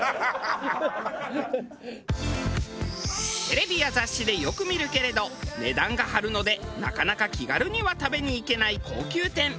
テレビや雑誌でよく見るけれど値段が張るのでなかなか気軽には食べに行けない高級店。